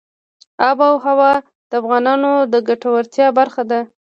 آب وهوا د افغانانو د ګټورتیا برخه ده.